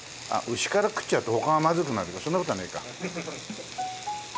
牛から食っちゃうと他がまずくなるそんな事はねえか。